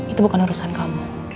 itu bukan urusan kamu